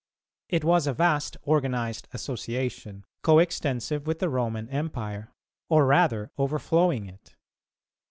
It was a vast organized association, co extensive with the Roman Empire, or rather overflowing it.